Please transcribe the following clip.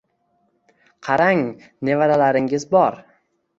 Qarang, nevaralaringiz bor.